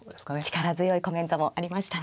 力強いコメントもありましたね。